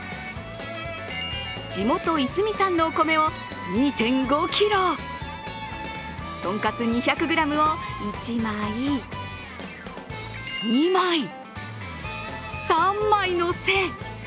地元いすみ産のお米を２．５ｋｇ、とんかつ２００ｇを１枚、２枚、３枚乗せ。